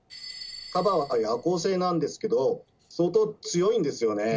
カバは夜行性なんですけど相当強いんですよね。